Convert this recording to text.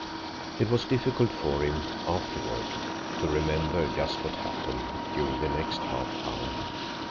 It was difficult for him—afterward—to remember just what happened during the next half hour.